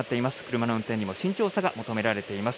車の運転にも慎重さが求められています。